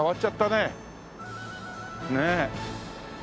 ねえ。